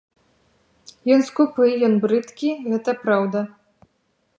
Ён скупы, ён брыдкі, гэта праўда.